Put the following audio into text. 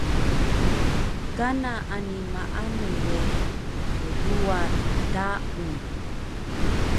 Kana ani maanu we tduwa daun